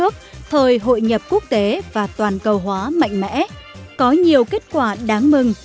thời hội nhập quốc tế và toàn cầu hóa mạnh mẽ có nhiều kết quả đáng mừng